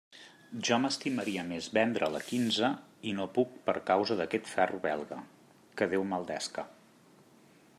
Jo m'estimaria més vendre'l a quinze i no puc per causa d'aquest ferro belga, que Déu maleesca.